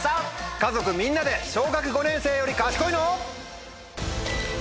家族みんなで小学５年生より賢いの？